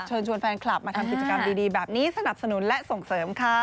เชิญชวนแฟนคลับมาทำกิจกรรมดีแบบนี้สนับสนุนและส่งเสริมค่ะ